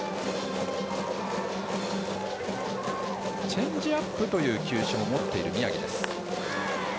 チェンジアップという球種も持っている宮城。